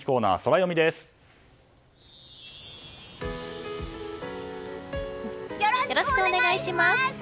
よろしくお願いします！